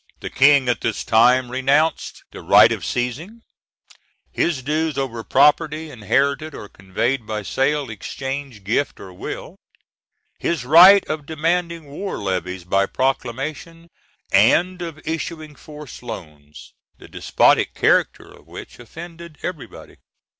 The King at this time renounced the right of seizin, his dues over property, inherited or conveyed by sale, exchange, gift, or will, his right of demanding war levies by proclamation, and of issuing forced loans, the despotic character of which offended everybody.